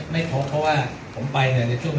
ไม่พบเพราะว่าผมไปเนี่ยในช่วง